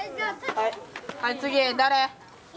はい次誰？